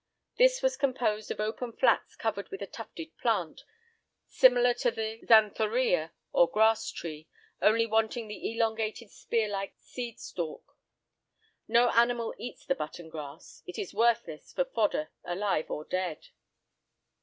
This was composed of open flats covered with a tufted plant, similar to the Xanthorrhea or grass tree—only wanting the elongated spear like seed stalk. No animal eats the button grass; it is worthless for fodder alive or dead.